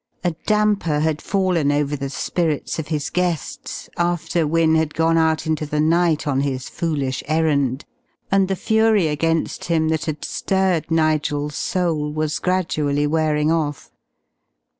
A damper had fallen over the spirits of his guests after Wynne had gone out into the night on his foolish errand, and the fury against him that had stirred Nigel's soul was gradually wearing off.